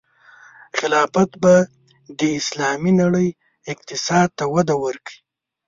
خلافت به د اسلامي نړۍ اقتصاد ته وده ورکړي.